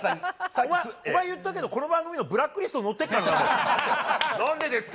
お前、言ったけど、この番組のブラックリストになんでですか？